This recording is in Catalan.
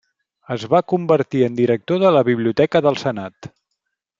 Es va convertir en director de la Biblioteca del Senat.